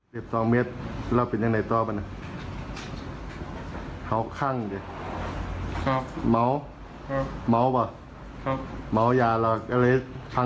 ได้ต่อเม็ดราวเป็นยังไงต่อไปนะ